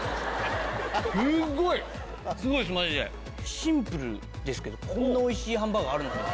シンプルですけどこんなおいしいハンバーグあるの？みたいな。